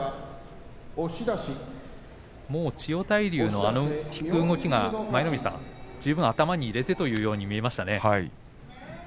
千代大龍の引く動きが十分、頭に入れてというふうに見えましたね。